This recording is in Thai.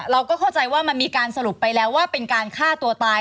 เราก็เข้าใจว่ามันมีการสรุปไปแล้วว่าเป็นการฆ่าตัวตาย